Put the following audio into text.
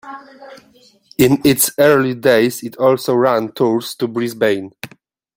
In its early days it also ran tours to Brisbane.